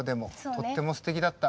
とってもすてきだった。